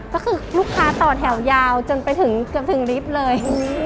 ก็คือลูกค้าต่อแถวยาวจนไปถึงลิฟต์เลย